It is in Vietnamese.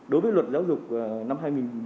đối với luật giáo dục năm hai nghìn một mươi